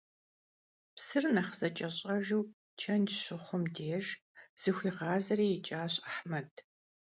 Psır nexh zeç'eş'ejju çenjj şıxhum dêjj zıxuiğazeri yiç'aş Ahmed.